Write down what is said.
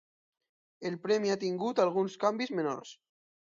El premi ha tingut alguns canvis menors.